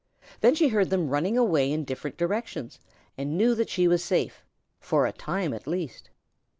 Then she heard them running away in different directions and knew that she was safe, for a time at least.